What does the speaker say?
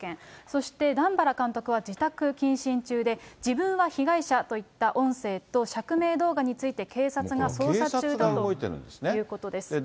そして、段原監督は自宅謹慎中で、自分は被害者といった音声と釈明動画について、警察が動いてるんですね。